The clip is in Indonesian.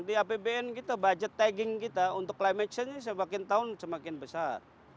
di apbn kita budget tagging kita untuk climate change semakin tahun semakin besar